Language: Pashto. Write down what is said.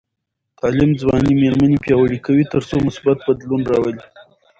تعلیم ځوانې میرمنې پیاوړې کوي تر څو مثبت بدلون راولي.